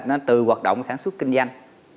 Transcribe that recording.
nó từ hoạt động sản xuất kinh doanh